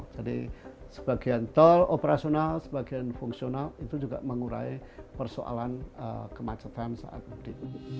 jadi sebagian tol operasional sebagian fungsional itu juga mengurai persoalan kemacetan saat itu